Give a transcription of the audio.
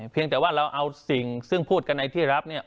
เพียงแต่ว่าเราเอาสิ่งซึ่งพูดกันในที่รับเนี่ย